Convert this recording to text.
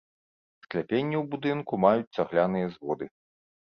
Скляпенні ў будынку маюць цагляныя зводы.